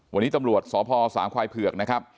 วันนี้ตำรวจสพสามควายเผือกนะครับ